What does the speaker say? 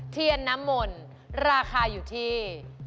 เทียนน้ำมนต์ราคาอยู่ที่